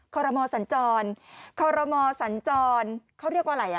คอรมอสัญจรคอรมอสัญจรเขาเรียกว่าอะไรอ่ะ